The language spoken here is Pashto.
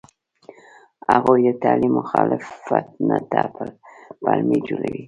هغوی د تعلیم مخالفت ته پلمې جوړولې.